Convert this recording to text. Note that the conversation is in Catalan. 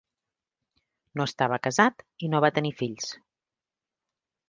No estava casat i no va tenir fills.